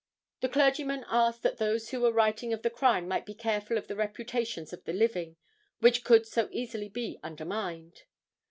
The clergyman asked that those who were writing of the crime might be careful of the reputations of the living, which could so easily be undermined.